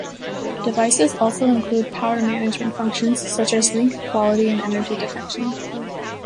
Devices also include power management functions such as link quality and energy detection.